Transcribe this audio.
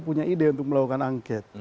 punya ide untuk melakukan angket